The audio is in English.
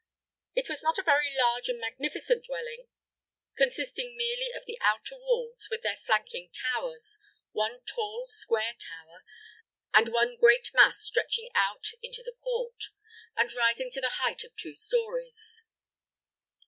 It was not a very large and magnificent dwelling, consisting merely of the outer walls with their flanking towers, one tall, square tower, and one great mass stretching out into the court, and rising to the height of two stories.